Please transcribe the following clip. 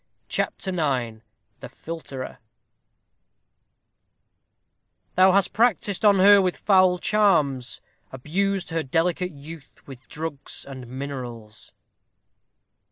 CHAPTER IX THE PHILTER Thou hast practised on her with foul charms Abused her delicate youth with drugs and minerals.